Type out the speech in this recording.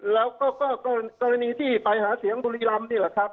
แล้วก็กรณีที่ไปหาเสียงบุรีรำนี่แหละครับ